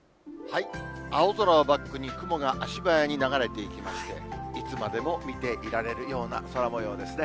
青空をバックに、雲が足早に流れていきまして、いつまでも見ていられるような空もようですね。